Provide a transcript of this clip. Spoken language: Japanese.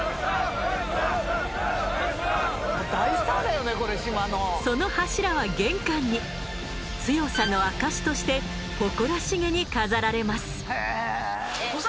大スターだよねこれ島の。その柱は玄関に強さの証しとして誇らしげに飾られます。